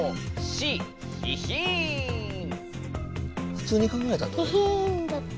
ふつうに考えたらどれ？